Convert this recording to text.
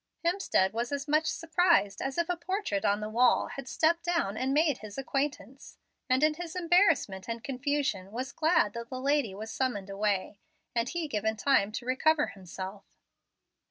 Hemstead was as much surprised as if a portrait on the wall had stepped down and made his acquaintance, and in his embarrassment and confusion was glad that the lady was summoned away, and he given time to recover himself.